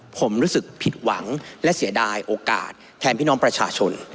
ผมรู้สึกผิดหวังและเสียดายโอกาสแทนพี่น้องประชาชน